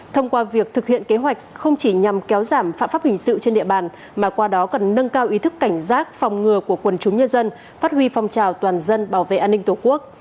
thông qua việc thực hiện kế hoạch không chỉ nhằm kéo giảm phạm pháp hình sự trên địa bàn mà qua đó cần nâng cao ý thức cảnh giác phòng ngừa của quần chúng nhân dân phát huy phong trào toàn dân bảo vệ an ninh tổ quốc